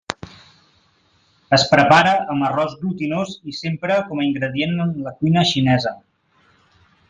Es prepara amb arròs glutinós i s'empra com a ingredient en la cuina xinesa.